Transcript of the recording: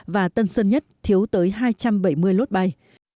và tân sơn nhất thiếu tới hai trăm bảy mươi lốt bay